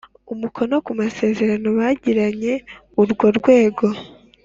umukono ku masezerano bagiranye urwo rwego